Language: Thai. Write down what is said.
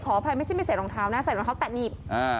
อภัยไม่ใช่ไม่ใส่รองเท้านะใส่รองเท้าแตะหนีบ